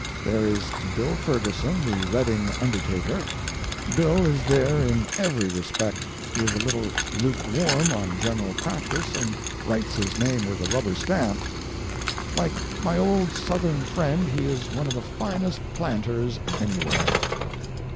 There is Bill Ferguson, the Redding undertaker. Bill is there in every respect. He is a little lukewarm on general practice, and writes his name with a rubber stamp. Like my old Southern, friend, he is one of the finest planters anywhere.